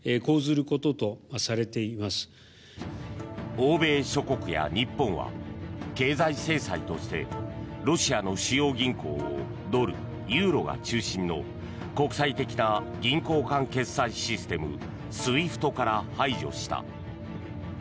欧米諸国や日本は経済制裁としてロシアの主要銀行をドル、ユーロが中心の国際的な銀行間決済システムＳＷＩＦＴから排除した。